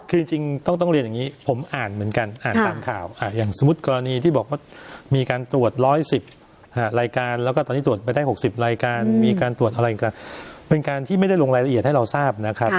คือจริงต้องเรียนอย่างนี้ผมอ่านเหมือนกันอ่านตามข่าวค่ะอย่างสมมุติกรณีที่บอกว่ามีการตรวจ๑๑๐รายการแล้วก็ตอนนี้ตรวจไปได้๖๐รายการมีการตรวจอะไรกันเป็นการที่ไม่ได้ลงรายละเอียดให้เราทราบนะครับ